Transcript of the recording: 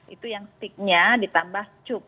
itu yang sticknya ditambah cup